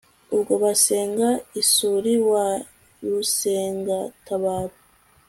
uwo basenga isuri wa Rusengatabaro